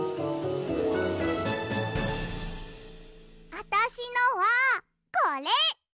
あたしのはこれ！